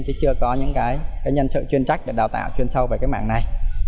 chứ chưa có những nhân sự chuyên trách để đào tạo chuyên sâu về mạng này